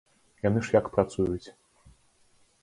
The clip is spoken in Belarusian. Яны ж як працуюць?